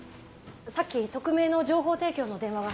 さっき匿名の情報提供の電話が。